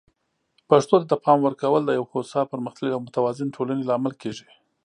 پښتو ته د پام ورکول د یو هوسا، پرمختللي او متوازن ټولنې لامل کیږي.